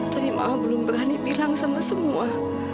tapi maaf belum berani bilang sama semua